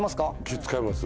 使います。